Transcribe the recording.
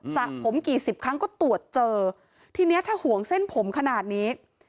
สระผมกี่สิบครั้งก็ตรวจเจอทีนี้ถ้าห่วงเส้นผมขนาดนี้